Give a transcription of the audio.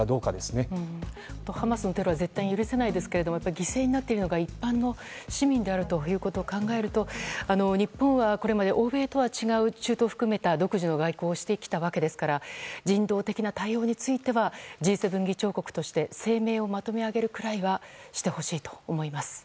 ハマスのテロは絶対に許せないですけど犠牲になっているのが一般の市民であることを考えると日本はこれまで欧米とは違う中東を含めた独自の外交をしてきたわけですから人道的な対応についてはＧ７議長国として声明をまとめ上げるくらいはしてほしいと思います。